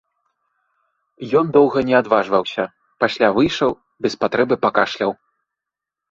Ён доўга не адважваўся, пасля выйшаў, без патрэбы пакашляў.